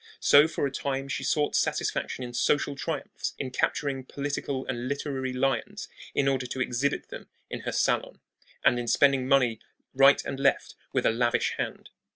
So for a time she sought satisfaction in social triumphs, in capturing political and literary lions in order to exhibit them in her salon, and in spending money right and left with a lavish hand.